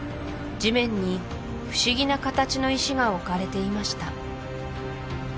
地面に不思議な形の石が置かれていました